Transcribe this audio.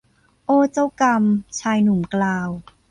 โอ้เจ้ากรรม ชายหนุ่มกล่าว